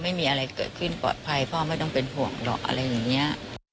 ไม่มีอะไรเกิดขึ้นปลอดภัยพ่อไม่ต้องเป็นห่วงหรอกอะไรอย่างนี้